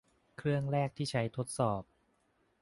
เครื่องแรกที่ใช้ทดสอบ